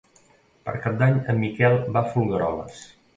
Per Cap d'Any en Miquel va a Folgueroles.